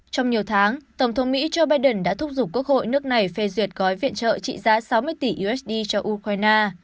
trong nhiều tháng tổng thống mỹ joe biden đã thúc giục quốc hội nước này phê duyệt gói viện trợ trị giá sáu mươi tỷ usd cho ukraine